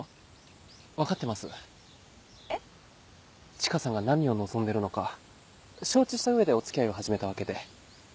チカさんが何を望んでるのか承知した上でお付き合いを始めたわけで。